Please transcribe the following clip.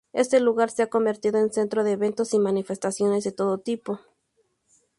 Este lugar se ha convertido en centro de eventos y manifestaciones de todo tipo.